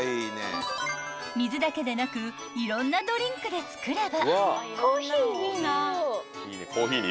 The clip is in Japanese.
［水だけでなくいろんなドリンクで作れば］